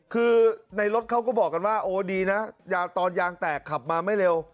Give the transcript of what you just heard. คือในรถเขาก็บอกกันว่าโอ้ดีนะตอนยางแตกขับมาไม่เร็ว